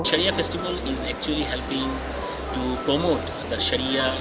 syariah festival itu sebenarnya membantu mempromosikan syariah